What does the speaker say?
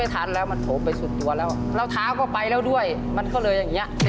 ตอนนั้นออสก็หันไปมองบอลอยู่